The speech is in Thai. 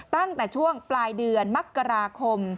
ตั้งแต่ช่วงปลายเดือนมกราคม